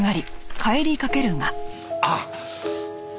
あっ！